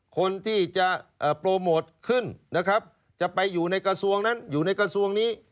คนที่จะโปรโมทขึ้นนะครับจะไปอยู่ในกระทรวงนั้นอยู่ในกระทรวงนี้